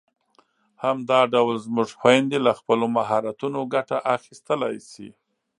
همدا ډول زموږ خويندې له خپلو مهارتونو ګټه اخیستلای شي.